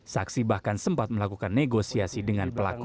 saksi bahkan sempat melakukan negosiasi dengan pelaku